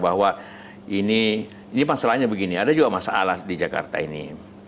bahwa ini masalahnya begini ada juga masalah di jakarta ini